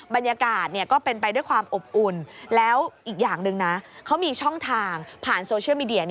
บรรยากาศก็เป็นไปด้วยความอบอุ่นแล้วอีกอย่างหนึ่งนะเขามีช่องทางผ่านโซเชียลมีเดีย